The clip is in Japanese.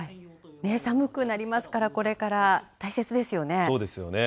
寒くなりますから、これから、大切ですよね。